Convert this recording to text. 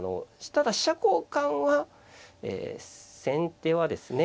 ただ飛車交換はえ先手はですね